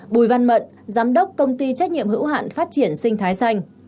bùi văn mận giám đốc công ty trách nhiệm hữu hạn phát triển sinh thái xanh